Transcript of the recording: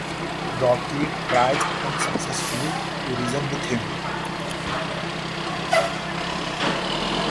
Rocky tries unsuccessfully to reason with him.